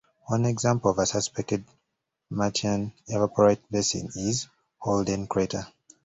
One example of a suspected Martian evaporite basin is Holden Crater.